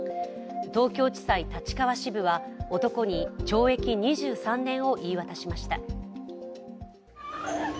東京地裁立川支部は、男に懲役２３年を言い渡しました。